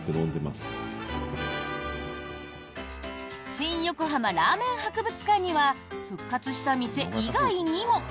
新横浜ラーメン博物館には復活した店以外にも。